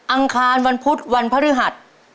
อังคารวันพุธวันพฤหัส